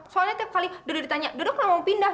soalnya tiap kali dodo ditanya dodo kan mau pindah